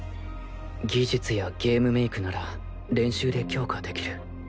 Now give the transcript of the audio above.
技術やゲームメイクなら練習で強化できる。